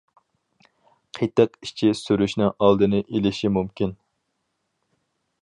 قېتىق ئىچى سۈرۈشنىڭ ئالدىنى ئېلىشى مۇمكىن.